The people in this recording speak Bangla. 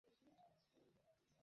রসায়নে কিছুটা দুর্বল।